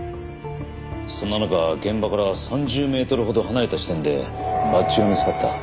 そんな中現場から３０メートルほど離れた地点でバッジが見つかった。